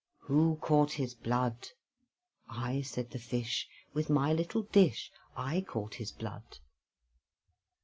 Who caught his blood? "I," said the Fish, "With my little dish, I caught his blood."